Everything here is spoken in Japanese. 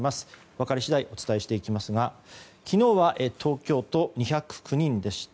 分かり次第お伝えしていきますが昨日は東京都２０９人でした。